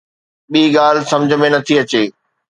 ٻي ڳالهه سمجھ ۾ نٿي اچي.